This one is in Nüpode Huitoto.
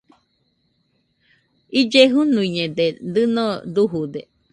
Ille jɨnuiñede, dɨno dujude